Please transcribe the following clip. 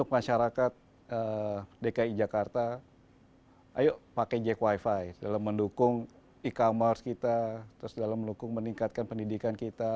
masyarakat dki jakarta ayo pakai jack wifi dalam mendukung e commerce kita terus dalam mendukung meningkatkan pendidikan kita